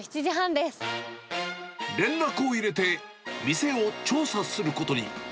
連絡を入れて、店を調査することに。